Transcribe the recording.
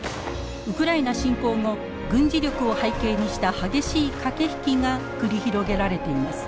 ウクライナ侵攻後軍事力を背景にした激しい駆け引きが繰り広げられています。